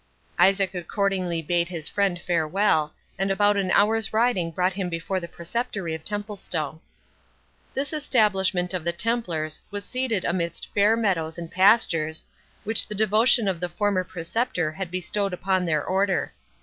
Isaac accordingly bade his friend farewell, and about an hour's riding brought him before the Preceptory of Templestowe. This establishment of the Templars was seated amidst fair meadows and pastures, which the devotion of the former Preceptor had bestowed upon their Order.